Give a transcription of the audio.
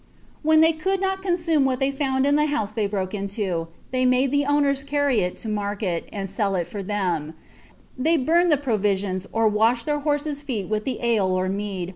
* When llWT ronld not consume what they found in the house they had brokeji iato, they made the owners carry it to maiket and sell it for them; ihw bonied the provisions, or washed their horses' feet with the ale ot naiii.